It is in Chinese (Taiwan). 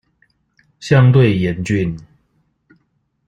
相對嚴峻